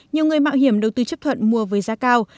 nhiều người mạo hiểm đầu tư chấp thuận mua với giá cao